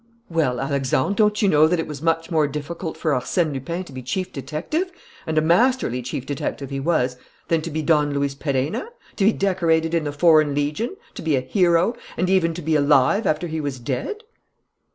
"Well, Alexandre, don't you know that it was much more difficult for Arsène Lupin to be Chief Detective and a masterly Chief Detective he was than to be Don Luis Perenna, to be decorated in the Foreign Legion, to be a hero, and even to be alive after he was dead?"